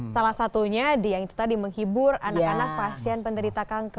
salah satunya yang itu tadi menghibur anak anak pasien penderita kanker